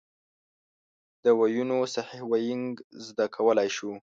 د ویونو صحیح وینګ زده کولای شو.